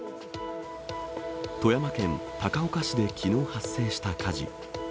富山県高岡市できのう発生した火事。